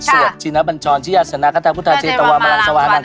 สวดจิณชะบัญชาลฆิญญาสนะกระทะพุทธาเย็นตะวันเมลันสวานนั้น